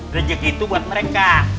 rejeki itu buat mereka